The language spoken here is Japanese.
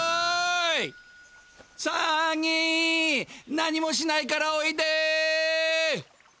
何もしないからおいで！